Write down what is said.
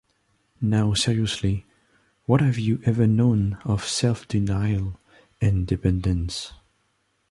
Now seriously, what have you ever known of self-denial and dependence?